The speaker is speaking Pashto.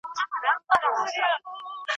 د اثر تفسیر په ډېر مهارت سره ترسره شو.